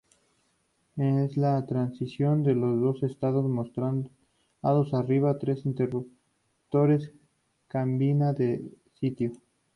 En la transición de los dos estados mostrados arriba, tres interruptores cambian de sitio.